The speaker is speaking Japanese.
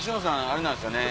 あれなんですよね